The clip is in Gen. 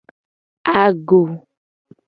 Ago.